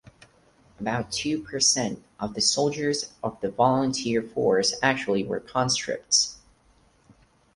About two percent of the soldiers of the volunteer force actually were conscripts.